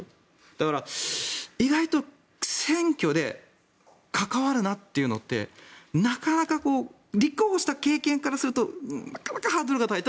だから、意外と選挙で関わるなっていうのってなかなか立候補した経験からするとなかなかハードルが高い。